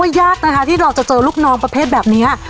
ในเชื่อเลยว่ายากที่เราจะเจอลูกน้องประเภทแบบเนี้ย